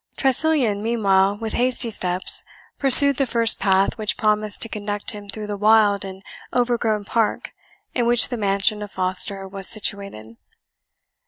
Tressilian, meanwhile, with hasty steps, pursued the first path which promised to conduct him through the wild and overgrown park in which the mansion of Foster was situated.